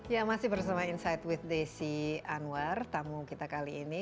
dan berbicara tentang